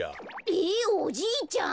ええっおじいちゃん！